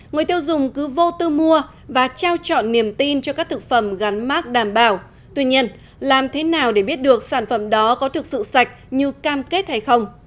người tiêu dùng cứ vô tư mua và trao chọn niềm tin cho các thực phẩm gắn mát đảm bảo tuy nhiên làm thế nào để biết được sản phẩm đó có thực sự sạch như cam kết hay không